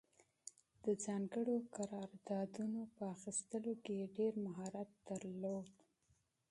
د ځانګړو قراردادونو په اخیستلو کې یې ډېر مهارت درلود.